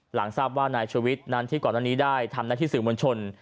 หลังทราบว่านายชวิตนั้นที่ก่อนอันนี้ได้ทำหน้าที่สื่อมวลชน